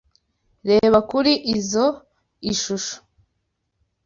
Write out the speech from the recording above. Reba kuri izoi shusho.